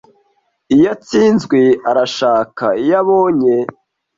Iyo atsinzwe arashaka, iyo abonye